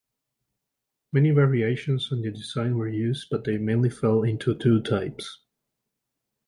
Many variations on the design were used, but they mainly fell into two types.